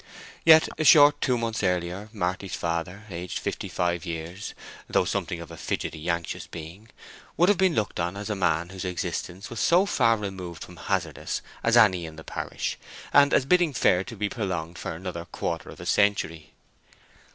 Yet a short two months earlier Marty's father, aged fifty five years, though something of a fidgety, anxious being, would have been looked on as a man whose existence was so far removed from hazardous as any in the parish, and as bidding fair to be prolonged for another quarter of a century.